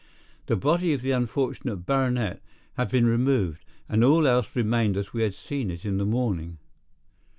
The body of the unfortunate baronet had been removed, and all else remained as we had seen it in the morning.